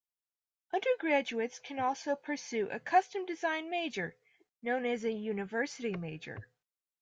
Undergraduates can also pursue a custom-designed major, known as a University Major.